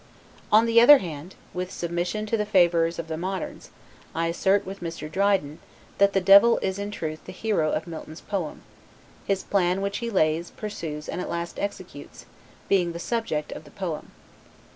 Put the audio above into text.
On the other hand, with submission to the favorers of the moderns, I assert with Mr. Dryden, that the devil is in truth the hero of Milton's poem; his plan, which he lays, pursues, and at last executes, being the subject of the poem.